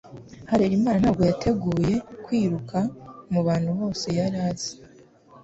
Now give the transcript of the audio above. Harerimana ntabwo yateguye kwiruka mubantu bose yari azi